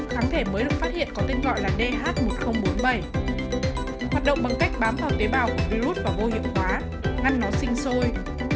kháng thể mới được phát hiện có tên gọi là dh một nghìn bốn mươi bảy hoạt động bằng cách bám vào tế bào của virus và vô hiệu hóa ngăn nó sinh sôi